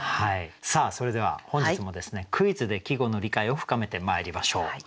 さあそれでは本日もクイズで季語の理解を深めてまいりましょう。